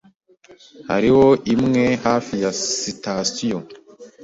Hariho imwe hafi ya sitasiyo.